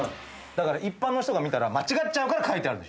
一般の人が見たら間違っちゃうから書いてある。